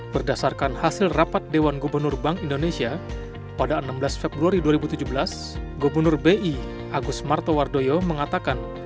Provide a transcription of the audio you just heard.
berdasarkan hasil rapat dewan gubernur bank indonesia pada enam belas februari dua ribu tujuh belas gubernur bi agus martowardoyo mengatakan